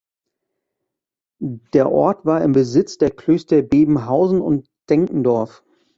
Der Ort war im Besitz der Klöster Bebenhausen und Denkendorf.